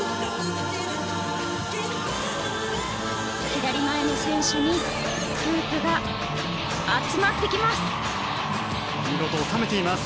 左前の選手にフープが集まってきます。